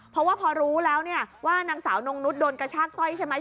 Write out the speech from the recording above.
เพราะว่าพอรู้แล้วเนี่ยว่านางสาวนงนุษย์โดนกระชากสร้อยใช่ไหม